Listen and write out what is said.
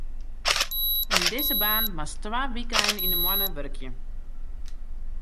Yn dizze baan moatst twa wykeinen yn 'e moanne wurkje.